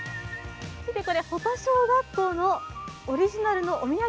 見て、これ保田小学校のオリジナルのお土産。